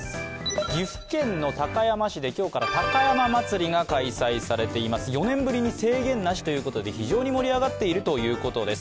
岐阜県の高山市で今日から高山祭が開催されています、４年ぶりに制限なしということで非常に盛り上がっているということです。